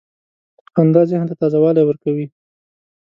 • خندا ذهن ته تازه والی ورکوي.